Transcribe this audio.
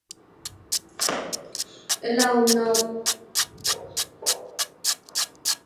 The General Secretary Ahmed Dini.